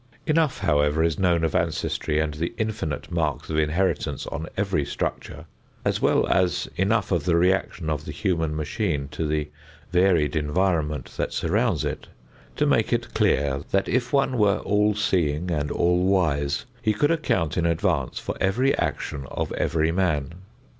Enough, however, is known of ancestry and the infinite marks of inheritance on every structure as well as enough of the reaction of the human machine to the varied environment that surrounds it, to make it clear that if one were all seeing and all wise he could account in advance for every action of every man.